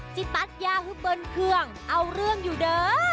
จะตัดยาฮึดเบิ้ลเครื่องเอาเรื่องอยู่เด้อ